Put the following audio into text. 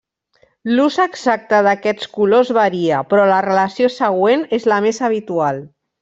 L'ús exacte d'aquests colors varia, però la relació següent és la més habitual.